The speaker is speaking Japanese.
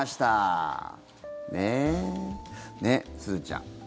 すずちゃん